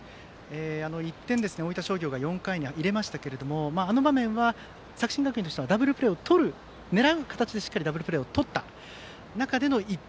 １点、大分商業が４回に入れましたけれどもあの場面は作新学院としてはダブルプレーをとる狙うという形でしっかりダブルプレーをとった中での１点。